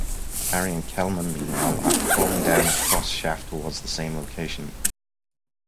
Harry and Kellman, meanwhile, are crawling down a cross shaft towards the same location.